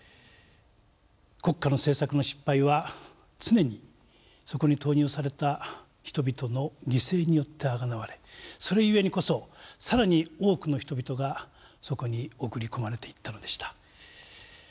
国家の政策の失敗は常にそこに投入された人々の犠牲によってあがなわれそれ故にこそ更に多くの人々がそこに送り込まれていったのでした。